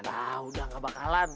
nah udah nggak bakalan